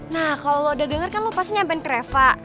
nah kalo lo udah denger kan lo pasti nyampein ke reva